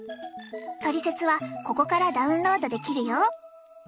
トリセツはここからダウンロードできるよ。